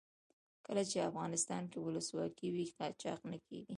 کله چې افغانستان کې ولسواکي وي قاچاق نه کیږي.